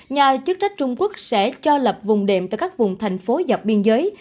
nhà chức trách trung quốc sẽ cho lập vùng đệm tại các vùng thành phố dọc biên giới